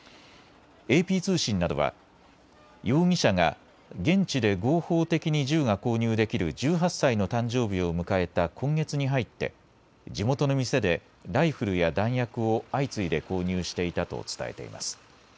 ＡＰ通信などは容疑者が現地で合法的に銃が購入できる１８歳の誕生日を迎えた今月に入って地元の店でライフルや弾薬を相次いで購入していたと伝えています。